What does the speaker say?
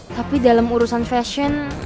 tapi dalam urusan fashion